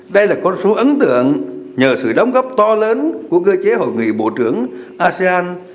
đây là con số ấn tượng nhờ sự đóng góp to lớn của cơ chế hội nghị bộ trưởng asean